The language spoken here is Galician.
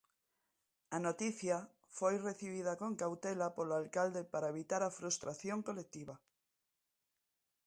A noticia foi recibida con cautela polo alcalde para evitar a "frustración colectiva".